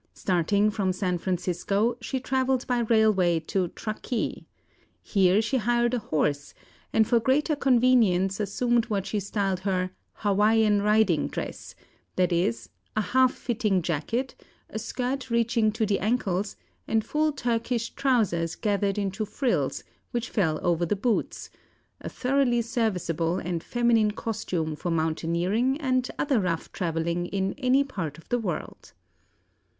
Starting from San Francisco, she travelled by railway to Truckee. Here she hired a horse, and for greater convenience assumed what she styled her "Hawaiian riding dress" that is, a half fitting jacket, a skirt reaching to the ankles, and full Turkish trousers gathered into frills, which fell over the boots "a thoroughly serviceable and feminine costume for mountaineering and other rough travelling in any part of the world."